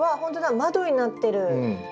窓になってる。